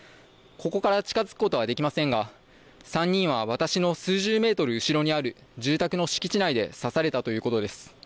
ここから近づくことはできませんが３人は私の数十メートル後ろにある住宅の敷地内で刺されたということです。